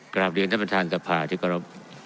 กราบเดียวท่านประวัติภาพราชภาษณฑ์ธิกฤบ